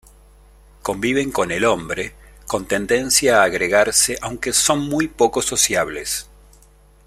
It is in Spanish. Conviven con el hombre, con tendencia a agregarse aunque son muy poco sociables.